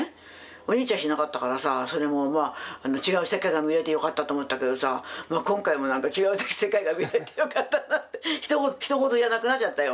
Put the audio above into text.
お兄ちゃんしなかったからさそれもまあ違う世界が見れてよかったと思ったけどさ今回もなんか違う世界が見れてよかったなってひと事じゃなくなっちゃったよ